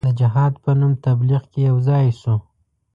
د جهاد په نوم تبلیغ کې یو ځای سو.